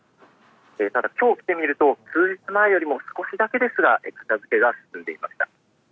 ただきょう、来てみると、数日前よりも少しだけですが、片づけが進んでいました。